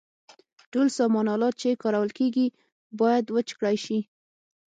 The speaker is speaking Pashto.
ټول سامان آلات چې کارول کیږي باید وچ کړای شي.